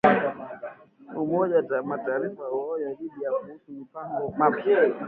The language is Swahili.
Umoja wa Mataifa waionya Libya kuhusu mapigano mapya